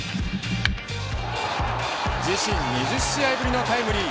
２０試合ぶりのタイムリー。